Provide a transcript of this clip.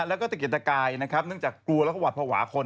แล้วก็ตะเกียดตะกายนะครับเนื่องจากกลัวแล้วก็หวัดภาวะคน